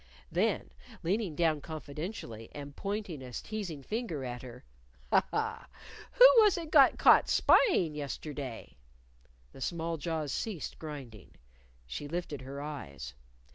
Then, leaning down confidentially, and pointing a teasing finger at her, "Ha! Ha! Who was it got caught spyin' yesterday?" The small jaws ceased grinding. She lifted her eyes.